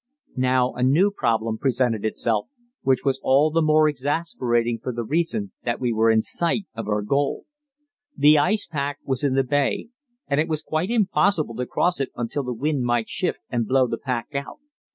Now a new problem presented itself, which was all the more exasperating for the reason that we were in sight of our goal. The ice pack was in the bay, and it was quite impossible to cross it until the wind might shift and blow the pack out.